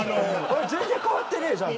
全然変わってないじゃん。